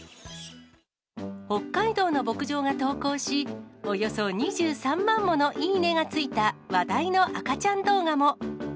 北海道の牧場が投稿し、およそ２３万ものいいねがついた、話題の赤ちゃん動画も。